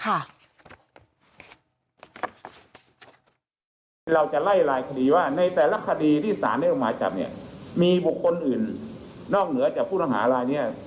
เราจะไล่ลายคดีว่าในแต่ละคดีที่สารได้ออกหมายจับเนี่ยมีบุคคลอื่นนอกเหนือจากผู้ต้องหารายนี้